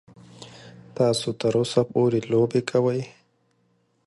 تاسو تر اوسه پورې لوبې کوئ.